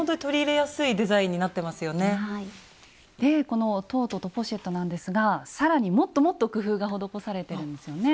このトートとポシェットなんですが更にもっともっと工夫が施されてるんですよね。